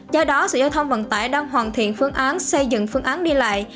do đó sở giao thông vận tải đang hoàn thiện phương án xây dựng phương án đi lại